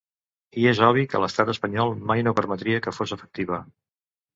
I és obvi que l’estat espanyol mai no permetria que fos efectiva.